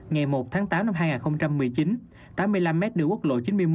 ngày một tháng tám năm hai nghìn một mươi chín tám mươi năm m đường quốc lộ chín mươi một